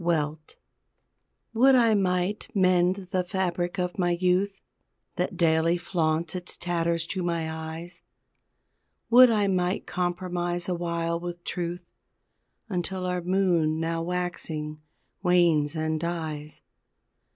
WELT Would I might mend the fabric of my youth That daily flaunts its tatters to my eyes, Would I might compromise awhile with truth Until our moon now waxing, wanes and dies.